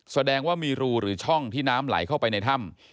แสดงว่ามีรูหรือช่องที่น้ำไหลเข้าไปในถ้ำ